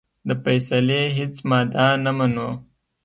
د فیصلې هیڅ ماده نه منو.